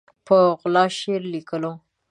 په غلا شعر لیکو